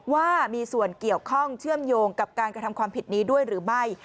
ว่ามีส่วนเกี่ยวข้องเชื่อมโยงกับการกระทำความผิดนี้ด้วยหรือไม่